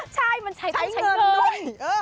ใช่ใช้เงินด้วย